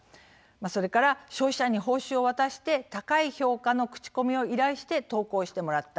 それから消費者に報酬を渡して高い評価の口コミを依頼して投稿してもらった。